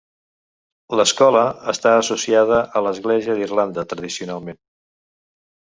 L'escola està associada a l'Església d'Irlanda tradicionalment .